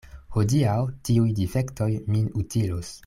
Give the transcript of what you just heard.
Hodiaŭ tiuj difektoj min utilos.